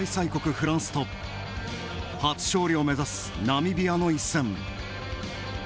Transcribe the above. フランスと初勝利を目指すナミビアの一戦。